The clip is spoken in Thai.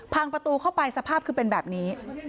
พังประตูเข้าไปสภาพคือเป็นแบบนี้